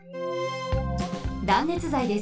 断熱材です。